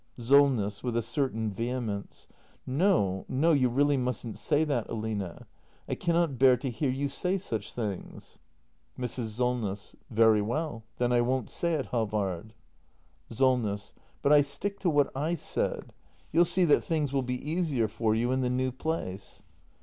Solness. [With a certain vehemence.] No, no, you really mustn't say that, Aline! I cannot bear to hear you say such things! 324 THE MASTER BUILDER [act ii Mrs. Solness. Very well, then I won't say it, Halvard. Solness. But I stick to what / said. You'll see that things will be easier for you in the new place.